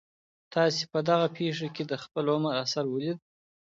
تاسي په دغه پېښي کي د خپل عمر اثر ولیدی؟